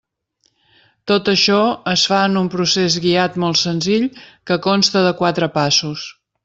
Tot això es fa en un procés guiat molt senzill que consta de quatre passos.